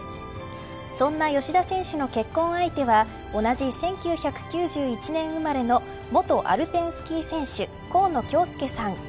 そんな吉田選手の結婚相手は同じ１９９１年生まれの元アルペンスキー選手河野恭介さん。